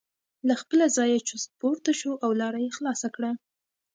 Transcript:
له خپله ځایه چست پورته شو او لاره یې خلاصه کړه.